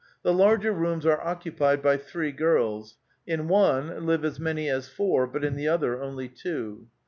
The larger rooms are occupied by three girls ; in one, live as many as four, but in the other, only two.